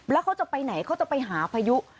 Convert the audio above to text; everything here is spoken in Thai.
แล้วเขาจะไปไหนเขาจะไปหาพายุ